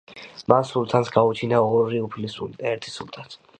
მან სულთანს გაუჩინა ორი უფლისწული და ერთი სულთანი.